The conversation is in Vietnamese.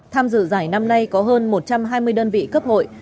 tham dự giải năm nay có hơn một trăm hai mươi đơn vị cấp hội